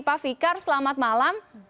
pak fikar selamat malam